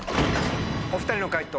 お２人の解答